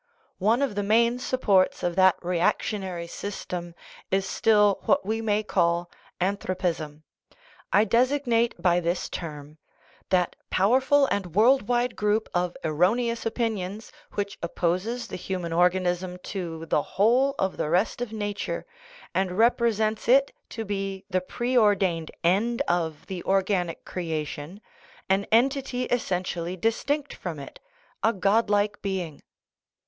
One of the main supports of that reactionary system is still what we may call " anthropism." I designate by this term " that powerful and world wide group of erro neous opinions which opposes the human organism to the whole of the rest of nature, and represents it to be the preordained end of the organic creation, an entity essentially distinct from it, a godlike being."